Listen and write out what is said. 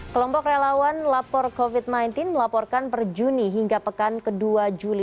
kelompok relawan lapor covid sembilan belas melaporkan per juni hingga pekan ke dua juli